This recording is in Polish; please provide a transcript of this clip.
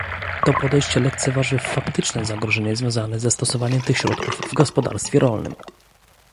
To podejście lekceważy faktyczne zagrożenie związane ze stosowaniem tych środków w gospodarstwie rolnym